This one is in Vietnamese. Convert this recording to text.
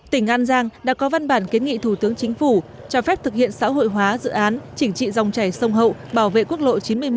tỉnh an giang đã có văn bản kiến nghị thủ tướng chính phủ cho phép thực hiện xã hội hóa dự án chỉnh trị dòng chảy sông hậu bảo vệ quốc lộ chín mươi một